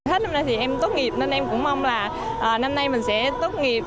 hết năm nay thì em tốt nghiệp nên em cũng mong là năm nay mình sẽ tốt nghiệp